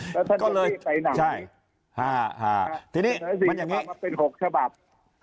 แล้วท่านแม่งสีแปรไหน